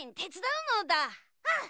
うん。